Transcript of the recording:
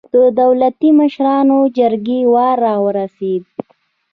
د دولتي او مشرانو جرګې وار راورسېد.